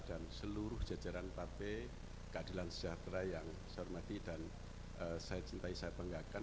dan seluruh jajaran partai keadilan sejahtera yang saya hormati dan saya cintai saya banggakan